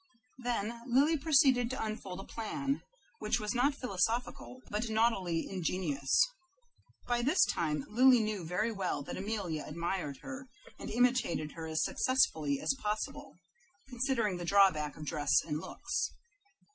Then Lily proceeded to unfold a plan, which was not philosophical, but naughtily ingenious. By this time Lily knew very well that Amelia admired her, and imitated her as successfully as possible, considering the drawback of dress and looks.